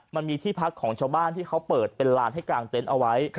มันมีที่พักของชาวบ้านที่เขาเปิดเป็นลานให้กางเต็นต์เอาไว้